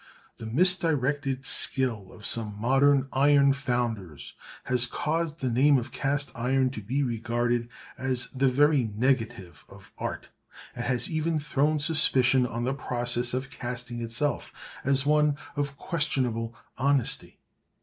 The misdirected skill of some modern iron founders has caused the name of cast iron to be regarded as the very negative of art, and has even thrown suspicion on the process of casting itself as one of questionable honesty.